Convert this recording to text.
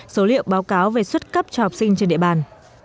số liệu báo cáo về xuất cấp cho học sinh trên địa bàn